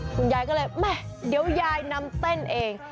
คุณยายก็เลยก็เลยแหม่มมอยากก็เดี๋ยวยายนำเต้นเอง